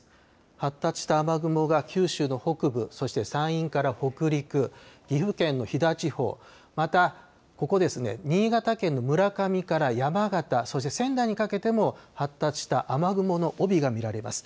発達した雨雲が九州の北部、そして山陰から北陸、岐阜県の飛騨地方、またここ新潟県の村上から山形、そして仙台にかけても発達した雨雲の帯が見られます。